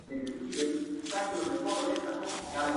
En el primero, se encontraría Tepeyanco.